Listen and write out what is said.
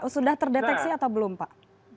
sudah terdeteksi atau belum pak